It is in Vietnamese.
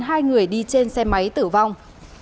hai người đi trên xe máy tử vong